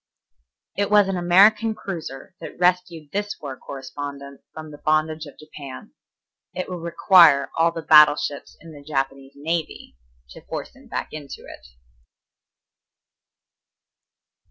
It was an American cruiser that rescued this war correspondent from the bondage of Japan. It will require all the battle ships in the Japanese navy to force him back to it.